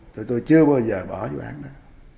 thì tôi chưa bao giờ bỏ vụ án đó